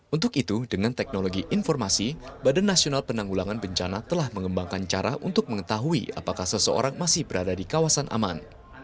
untuk itu dengan teknologi informasi badan nasional penanggulangan bencana telah mengembangkan cara untuk mengetahui apakah seseorang masih berada di kawasan aman